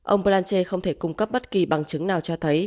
ông pranche không thể cung cấp bất kỳ bằng chứng nào cho thấy